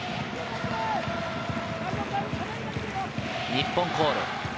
日本コール。